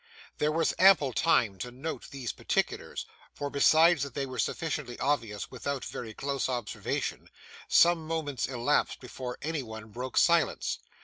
There was ample time to note these particulars, for besides that they were sufficiently obvious without very close observation, some moments elapsed before any one broke silence.